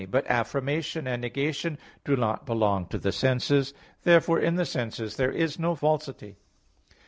But affirmation and negation do not belong to the senses. Therefore in the senses there is no falsity.